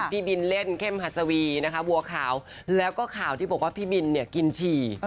พี่บินเล่นเข้มฮัศวีนะคะบัวขาวแล้วก็ข่าวที่บอกว่าพี่บินเนี่ยกินฉี่